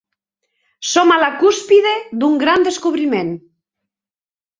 Som a la cúspide d'un gran descobriment.